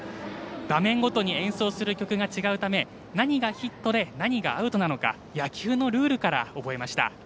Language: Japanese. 場面ごとに演奏する曲が違うため何がヒットで何がアウトなのか野球のルールから覚えました。